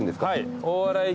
はい。